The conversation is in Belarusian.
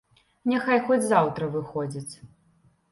Няхай хоць заўтра выходзяць.